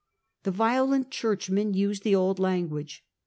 The violent Churchmen used the old language.